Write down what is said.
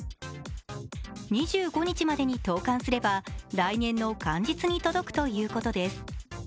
２５日までに投かんすれば来年の元日に届くということです。